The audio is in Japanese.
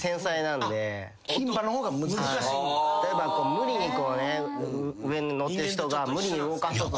無理に上に乗ってる人が無理に動かそうとすると。